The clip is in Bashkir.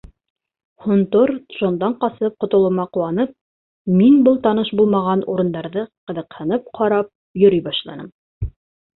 Һонтор Джондан ҡасып ҡотолоуыма ҡыуанып, мин был таныш булмаған урындарҙы ҡыҙыҡһынып ҡарап йөрөй башланым.